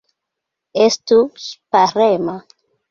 Estu ŝparema!